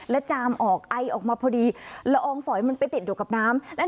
แล้วจามออกไอออกมาพอดีก็อองฝอยไปติดตรงน้ำ